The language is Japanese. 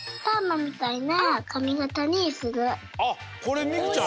あっこれみくちゃん？